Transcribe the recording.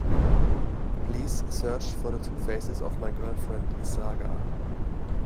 Please search for the Two Faces of My Girlfriend saga.